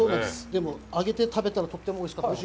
でも揚げて食べたら、とってもおいしかったので。